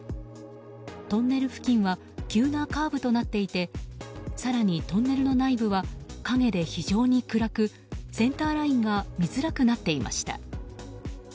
トンネル付近は急なカーブとなっていて更にトンネルの内部は影で非常に暗くセンターラインが見づらくなっていました。